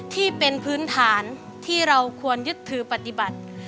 ที่เป็นพื้นฐานที่เราควรยึดถือปฏิบัติ